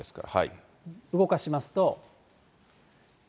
動かしますと。